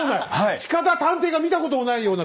近田探偵が見たこともないような興奮。